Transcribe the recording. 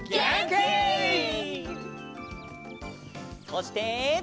そして。